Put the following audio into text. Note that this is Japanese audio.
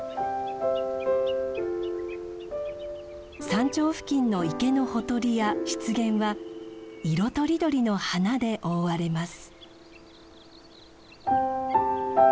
山頂付近の池のほとりや湿原は色とりどりの花で覆われます。